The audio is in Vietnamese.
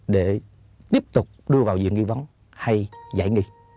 để tiếp tục đưa vào diện nghi vấn hay giải nghi